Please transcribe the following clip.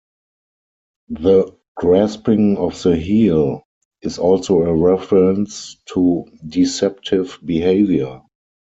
The "grasping of the heel" is also a reference to deceptive behavior.